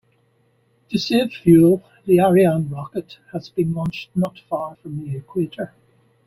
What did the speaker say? To save fuel, the Ariane rocket has been launched not far from the equator.